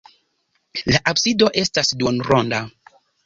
La absido estas duonronda.